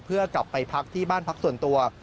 เพื่อกลับไปพักที่บ้านพักส่วนตัว